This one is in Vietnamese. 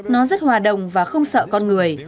nó rất hòa đồng và không sợ con người